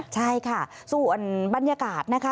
ใช่ค่ะส่วนบรรยากาศนะคะ